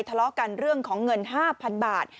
ทะเลาะกันเรื่องของเงิน๕๐๐๐บาท